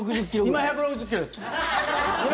今、１６０ｋｍです。